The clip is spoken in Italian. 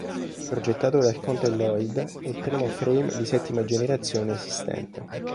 Progettato dal conte Lloyd, è il primo Frame di settima generazione esistente.